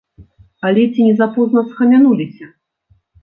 Але ці не запозна схамянуліся?